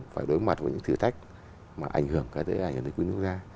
phải đối mặt với những thử thách mà ảnh hưởng cái tế ảnh của quốc gia